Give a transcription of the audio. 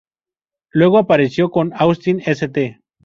Luego apareció con Austin St.